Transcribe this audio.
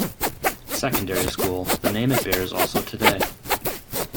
Secondary School, the name it bears also today.